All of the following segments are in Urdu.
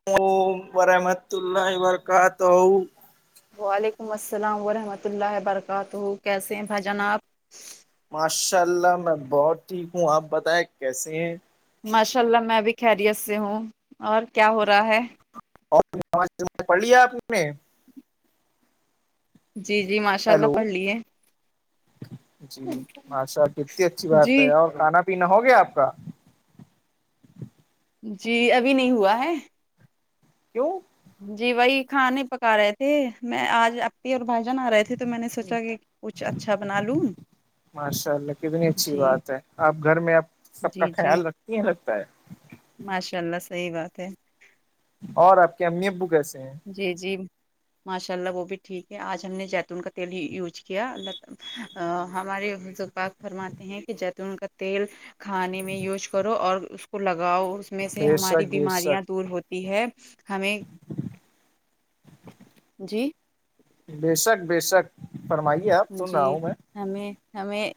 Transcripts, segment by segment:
اسلام علیکم ورحمۃ اللہ وبرکاتہ وعلیکم السلام ورحمۃ اللہ برکاتہ کیسے ہیں بھائی جان آپ ماشاء اللہ میں بہت ٹھیک ہوں آپ بتائیں کیسے ہیں ماشاء اللہ میں بھی خیریت سے ہوں اور کیا ہو رہا ہے اور نماز پڑھ لی اپ نے جی جی ماشاء اللہ ہیلو پڑھ لیے جی ماشاءاللہ کتنی اچھی جی بات ہے اور کھانا پینا ہو گیا آپ کا جی ابھی نہیں ہوا ہے کیوں جی وہی کھانے پکا رہے تھے میں آج اور بھائی جان آ رہے تھے تو میں نے سوچا کہ کچھ اچھا بنا لوں ماشاء اللہ کتنی اچھی جی بات ہے آپ گھر میں اب سب کا جی جی خیال رکھتی ہیں رگتا ہے ماشاء اللہ صحیح بات ہے اور آپ کے امی ابو کیسے ہیں جی جی ماشاء اللہ وہ بھی ٹھیک ہے آج ہم نے جیتون کا تیل ہی یوجز کیا اللہ ت ہمارے فرماتے ہیں کہ جیتون کا تیل کھانے میں یوز کرو اور اس کو لگاؤ اور اس میں سے بے ہماری شک بے بیماریاں شک دور ہوتی ہے ہمیں جی بے شک بے شک فرمائی جی ہمیں ہمیں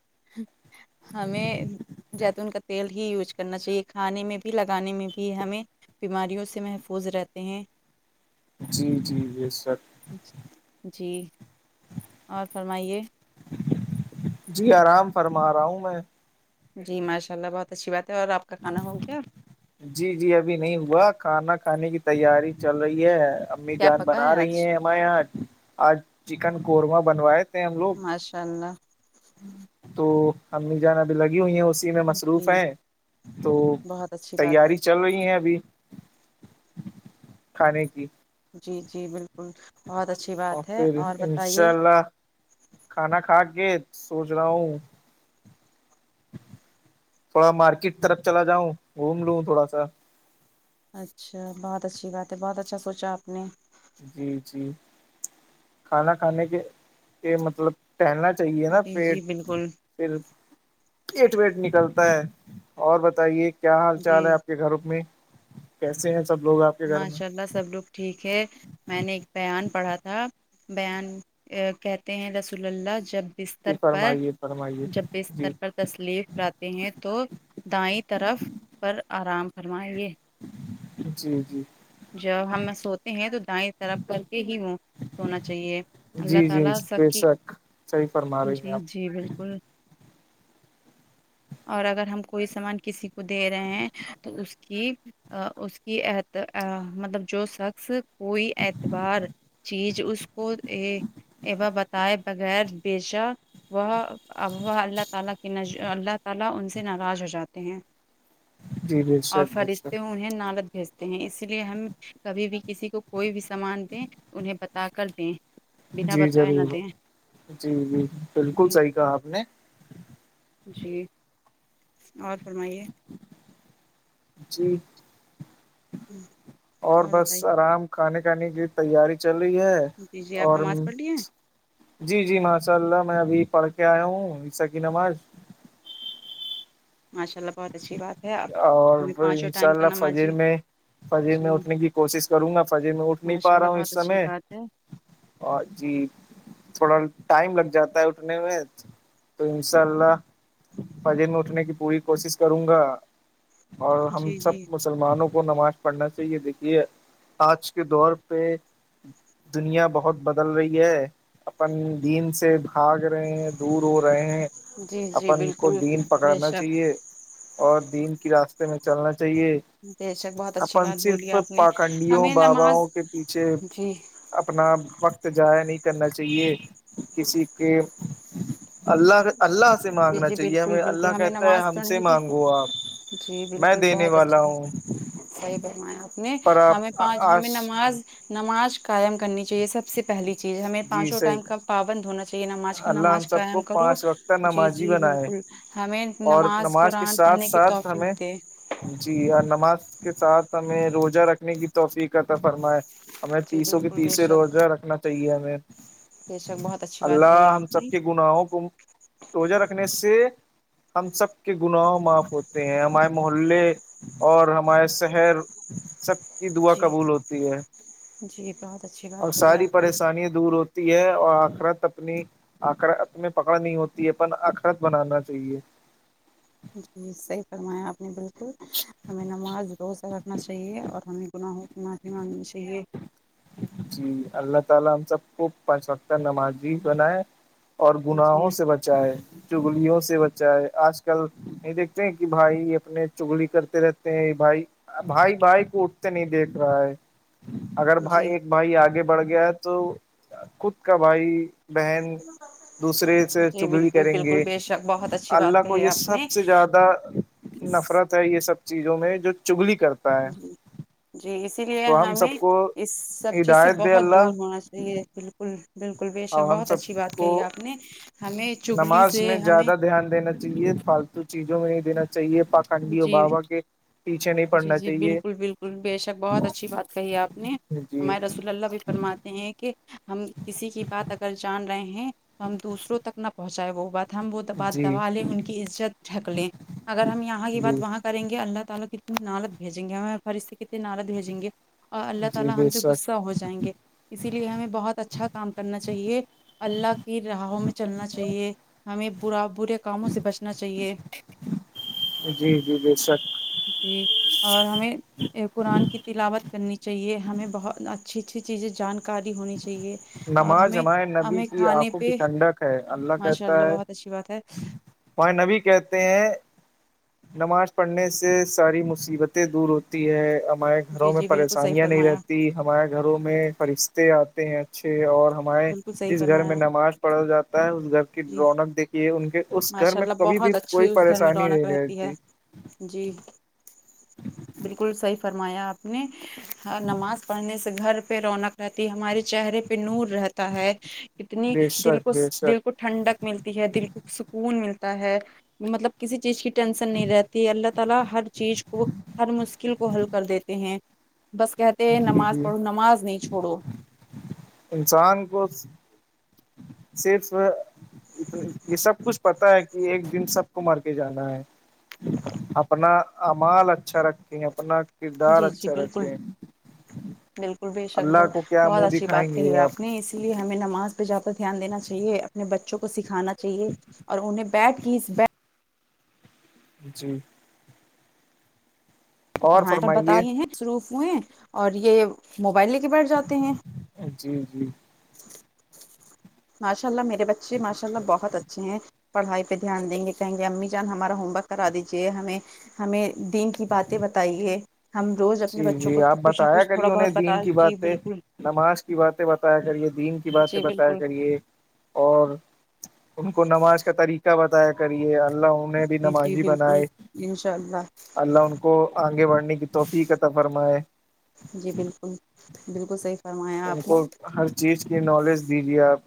ہمیں جیتون کا تیل ہی یوز کرنا چاہیے کھانے میں بھی لگانے میں بھی ہمیں بیماریوں سے محفوظ رہتے ہیں جی جی یہ سب جی اور فرمائیے جی آرام فرما رہا ہوں میں جی ماشاء اللہ بہت اچھی بات ہے اور آپ کا کانا ہو گیا جی جی ابھی نہیں ہوا کھانا کھانے کی تیاری چل رہی ہے امی کیا جان پکا ہے بنا رہی آج ہیں ہمارے یہاں آج چکن قورمہ بنوائے تھے ہم لوگ ماشاء اللہ تو امی جانا بھی لگی ہوئی ہیں اس میں مصروف جی ہے تو بہت اچھی بات ہے تیاری چل رہی ہے ابھی کھانے کی جی جی بالکل بہت اچھی بات اور ہے پھر اور بتائیے انشاء اللہ کھانا کھا کے سوچ رہا ہوں تھوڑا مارکیٹ طرف چلا جاؤں گھوم لوں تھوڑا سا اچھا بہت اچھی بات ہے بہت اچھا سوچا آپ نے جی جی کھانا کھانے کے کے مطلب ٹہلنا چاہیے نا جی پیٹ جی بالکل پھر ایٹ ویٹ نکلتا ہے اور بتائیے کیا حال جی چال ہے آپ کے گھروں میں کیسے ہیں سب لوگ آپ کے گھر میں ماشاء اللہ سب لگ ٹھیک ہے میں نے ایک بیان پڑھا تھا بیان کہتے ہیں رسول اللہ جب جی استر پر فرمائیے فرمائیے جب جی بستتر پر تسلیف کراتے ہیں تو دائیں طرف پر آرام فرمائیے جی جی جب ہم سوتے ہیں تو دائیں طرپ کر کے ہی وہ سونا چاہیے اللہ جی جی تعالی بے سی شک صحیح فرما رہی ہیں جی آپ جی بالکل [unintelligible] اور اگر ہم کوئی سامان کسی کو دے رہے ہیں تو اس کی ا اس کی مطلب جو شخص کوئی اعتبار چیز اس کو ا ا بتائے بغیر بیشہ وہ اب وہ اللہ تعالی کے اللہ تعالی ان سے ناراض ہو جاتے ہیں جی بے اور شک بے فرشتے شک انہیں نالد بھیجتے اس لیے ہم کبھی بھی کسی کو کوئی بھی سامان دیں انہیں بتا کر دیں بنا جی بتائے نہ ضرور دیں جی جی بالکل جی صحیح کہا آپ نے جی اور فرمائیے جی اور بس آرام کھانے کھانے کی تیاری چل رہی ہے جی جی آپ اور نماز پڑھ لیے ہیں؟ جی جی ماشاء اللہ میں ابھی پڑھ کے آیا ہوں عیس کیی نماز ماشا اللہہت اچھی بات ہے اب اور ہمیں پانچوں انشاء ٹائم کا اللہ فجیر نمازی میں فجر جی میں اٹھنے کی کوشش کروں گا فجر میں اٹھ نہیں ماشاء پا اللہ رہا ہوں اس بہت اچھی سمے بات ہے اور جی تھوڑا ٹائم لگ جاتا ہے اٹھنے میں تو انشاء اللہ فجن میں اٹھنے کی پوری کوشش کروں گا اور ہم جی سب جی م مسلمانوں کو نماز پڑھنا سے یہ دیکھی آج کے دور پہ دنیا بہت بدل رہی ہے اپن دین سے کھاگ رہے ہیں دور ہو رہے ہیں جی جی اپن کو بالکل دین بے پکڑنا شک چاہیے اور دین کی راستے میں چلنا چاہیے بے شک بہت اچھی اپن بات بولی صرف آپ نے پاکنڈیوں ہمیں نماز باباوں کے پیچھے جی اپنا وقت جضاائیا نہیں کرنا چاہیے کسی کہ اللہ اللہ سے جی مانگنا جی چاہیے بالکل ہمیں بالکل اللہ ہمیں کہتا ہے نماز ہم سے پڑھنے کی مانگو آپ جی میں بالکل دینے بہت والا اچھی بات ہوں صحیح برمایا آپ نے پر ہمیں آپ پانچ ہمیں آج نماز نماز قائم کرنی چاہیے سب سے پہلی چیز ہمیں جی پانچوں صحیح ٹائم کا پاون دھونا چاہے چاہے نماز کی اللہ ہم نماز سب کو قیام کرو پانچ وقتہ جی نمازی جی بنائے بالکل ہمیں اور نماز کے قرآن ساتھ پڑھنے کی ساتھ ہمیں توفیق دے جی اور نماز کے ساتھ ہمیں روزہ رکھنے کی توفیق تھا فرمائے ہمیں جی تیسوں کے بالکل بے تیسے شک روزہ رکھنا چاہیے ہمیں بے ش بہت اچھا اللہ ہم سب کے گناہوں کو توجہ رکھنے سے ہم سب کے گناہ معاف ہوتے ہیں ہمارے محلے اور ہمارے شہر سب کی دعا جی قبول ہوتی ہے جی بہت اچھی اور بات بولی ساری آپ نے پریشانییا دور ہوتی تی ہے اور آخرت اپنی آخرت میں پکڑ نہیں ہوتی ہے اپن آخرت بنانا چاہیے جی صحیح فرمایا آپ نے بالکل ہمیں نماز روز اگھنا چاہیے اور ہمیں گناہ گنفی مانگنی چاہیے جی اللہ تعالی ہم خوب پانچ وق کا نمازی بن ہے اور جی گناہوں سے بچا ہے چگلیوں سے بچا ہے آج کل نہیں دیکھتے ہیں کہ بھائی اپنے چگلی کرتے رہتے ہیں بھائی بھائی بھائی کو اٹھتے نہیں دیکھ رہا ہے [inaudible] ہاں ایک بھائی آگے بڑھ گیا ہے تو خود کا بھائی بہن دوسرے سے جی چگڑ بالکل کریں بالکل گے بے شک بہت اچھی بات اللہ کو کہی یہ آپ سب نے سب سے زیادہ نفرت ہے یہ سب چیزوں میں جو چگلی کرتا ہے جی جی اسی لیے تو ہم ہمیں سب کو اس سب چیز سے ہدایت دے بہت اللہ دور ہاںس ہے بالکل بالکل بے شک اور ہم بہت سب اچھی بات کو کہی آپ نے ہمیں چگلی نماز سے میں ہمیں زیادہ دھیان دینا چاہے فالتو چیزوں میں ہی دینا چاہیے پ جی جی جی چاہیے بالکل بالکل بے شک بہت اچھی بات کہی ہے آپ نے جی ہمارے رسول اللہ بھی ف پررمات ہیں کہ ہم کسی کی بات اگر جان رہے ہیں تو ہم دوسروں تک نہ پہنچائے وہ بات ہم وہ بات جی دبا لیں ان کی عزت ڈھک لیں اگر ہم یہاں کی بات جی وہاں جی بے شک [unintelligible] [unintelligible] اللہ کی راہوں میں چلنا چاہیے ہمیں برا برے کاموں سے بچنا چاہیے جی جی جی سک جی اور ہمیں قرآن کی تلاوت کرنی چاہیے ہمیں بہت اچھی اچھی چیزیں جان کالی ہونی چاہیے اور نماز ہمیں ہمارے نبی ہمیں کی کھانے آنکھوں کی پہ ٹھنڈک ہے ماشاء اللہ بہت اچھی بات ہے ہ وہ نبی کہتے ہیں نماز پڑھنے سے ساری مصیبتیں دور ہوتی ہے ہم جی گھروں میں جی بالکل صحیح پریشانیاں نہیں فرمایا رہتی ہمارے گھروں میں فرشتے آتے ہیں اچھے اور ہمارے بالکل صحیح جس گھر فرمایا میں نماز پڑا جاتا ہے اس گھر کی جی رونق دیکھی ہے ان کے اس گھر ماشاء میں اللہ کبھی بھی بہت کوئی اچھی اس گھر میں پریشانی رونق نہیں رہتی ہے جی بالکل صحیح فرمایا آپ نے نماز پڑھنے سے گھر پہ رونق رہتی ہے ہمارے چہرے پہ نور رہتا ہے کتنی بے دل شک کو بے دل کو شک ٹھنڈک ملتی ہے دل کو سکون ملتا ہے مطلب کسی چیز کی ٹینسن نہیں رہتی ہے اللہ تلا ہر چیز کو ہر مشکل کو حل کر دیتے ہیں بس کہ جی نماز جی پڑھو نماز نہیں چھوڑو انسان کو صرف ات یہ سب کچھ پتا ہے کہ ایک دن سب کو مر کے جانا ہے اپنا امال اچھا رکھیں اپنا کردار جی جی اچھا بالکل رکھیں بالکل بھیے شکب اللہ کو کیا بہت منہ اچھی دکھائیں بات کہی ہے گے آپ نے اس اس لیے ہمیں نماز پہ جا کر دھیان دینا چاہیے اپنے بچوں کو سکھانا چاہیے اور انہیں بیٹ کی اس بیٹ جی پڑھائے اور بتے ہیں شروف ہوئے اور یہ موبائل لے کے بیٹھ جاتے ہیں جی جی [inaudible] ماشاء اللہ میرے بچے ماشاء اللہ بہت اچھے ہیں پڑھائی پہ دھیان دیں گے کہیں گے امی جان ہمارا ہوم ورک کرا دیجیے ہمیں ہمیں دین کی باتیں بتائیے ہم روز اپنے جی بچوں کو جی آپ کچھ نہ بتایا کچھ تھوڑا کریے بہت انہیں بتا دین کی جی باتیں بالکل نماز کی باتیں بتایا کریے دین کی باتیں جی بتایا بالکل کریے اور ان کو نماز کا طریقہ بتایا کرے اللہ انہیں بھی جی جی نمازی بالکل بنائے انشاء اللہ اللہ ان کو آگے بڑھنے کی توفیق عطا فرمائے جی بالکل بالکل صحیح فرمایا ان آپ کو نے ہر چیز کی نالج دیجیے آپ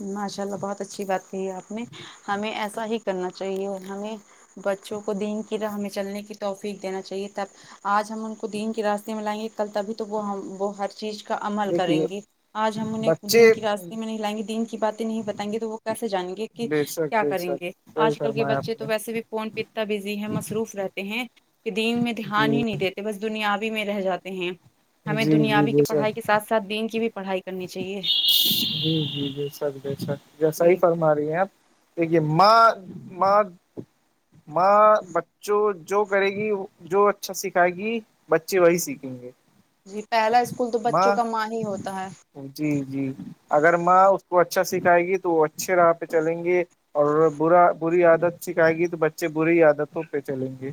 ماشاء اللہ بہت اچھی بات کہ ہے آپ نے ہمیں ایسا ہی کرنا چاہیے اور ہمیں بچوں کو دین کی راہ میں چلنے کی توفیق دینا چاہیے تب آج ہم ان کو دین کے راستے میں لائیں گے کل تبھی تو وہ ہم وہ ہر چیز کا عمل کریں دیکھیے گی آج ہم انہیں بچے دن کی راستے میں نہیں لائیں گے دین کی باتیں نہیں بتائیں گے تو وہ کیسے جانیں گے کہ بے شک کیا بے کریں گے شک صحیح آج کل کے فرمایا بچے آپ نے تو ویسے بھی فون پتتا بزی ہے مصروف رہتے ہیں کہ دین میں دھیان جی ہی نہیں دیتے بس دنیابی میں رہ جاتے ہیں ہمیں جی جی دنیابی کے بے پڑھائی شک کے ساتھ ساتھ دن کی بھی پڑھائی کرنی چاہیے جی جی جے بے شک بے شک صحیح ہی جی فرما رہی ہیں اپ دیکھیے ماں ماں ماں بچوں جو کرے گی جو اچھا سکھائے گی بچے وہی سیکھیں گے جی پہلا اسکول تو بچوں کا ماں ہی ہوتا ہے جی جی اگر ماں اس کو اچھا سکھائے گی تو اچھے راہ پہ چلیں گے اور برا بری عادت شکھائے گی تو بچے بری عادتوں پہ چلیں گے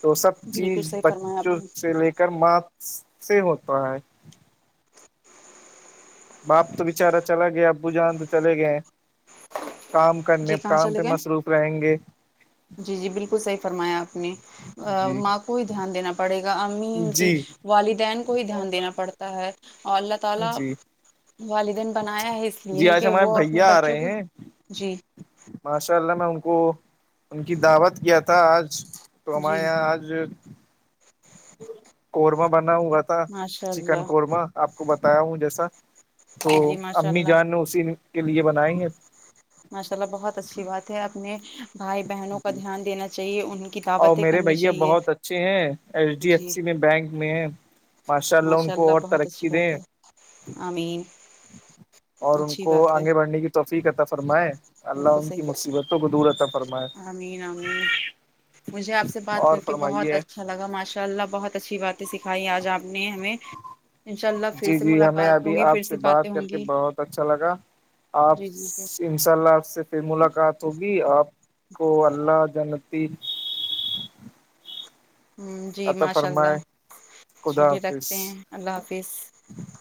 تو سب بالکل چیز صحیح فرمایا آپ بچوں نے سے لے کر مات سے ہوتا ہے باپ تو بچارا چلا گیا ابو جان تو چلے گئے کام کرنے جی کہاں کام پہ چلے گئے مصروف رہیں گے جی جی بالکل صحیح فرمایا آپ نے جی ماں کو ہی دھیان دینا پڑے گا امی ان کی جی والدین کو ہی دھیان دینا پڑتا ہے اور اللہ جی تعالی والدین بنایا ہے اس لیے جی ہے آج کہ ہمارے وہ اپنے بھیا آ بچوں رہے کو ہیں جی ماشاء اللہ میں ان کو ان کی دعوت کیا تھا آج تو ہمارے جی یہاں آج قورمہ بنا ہوا تھا ماشاء چکن اللہ قورمہ آپ کو بتایا ہوں جیسا تو جی جی ماشاء امی اللہ جان اسی کے لیے بنائیں گے ماشاء اللہ بہت اچھی بات ہے اپنے بھائی بہنوں کا جی دھیان دینا چاہیے ان کی اور دعوتیں میرے کرنی بھیا چاہیے بہت اچھے ہیں ایچ ڈی ایف جی سی میں بینک میں ہیں ماشاء اللہ ان کو اور بہت اچھی ترقی بات دیں ہے آمین اور ان اچھی کو بات ہے آگے بڑھنے کی توفیق عطا فرمائے اللہ بالکل ان کی صحیح مصیبتوں کو دور عطا فرمائے امین امین مجھے آپ سے بات اور کر کے بہت اچھا فرمائیے اچھا لگا ماشاء اللہ بہت اچھی باتیں سکھائی آج آپ نے ہمیں انشاء اللہ پھر جی سے جی ہمیں ملاقات ابھی ہوگی پھر آپ سے باتیں بات کر ہوں کے گی بہت اچھا لگا آپ جی جی جی انشاء اللہ آپ سے پھر ملاقات ہوگی آپ کو اللہ جنتی جی عطا ماشاء اللہ فرمائے چلیے رکھتے ہیں اللہ حافظ جی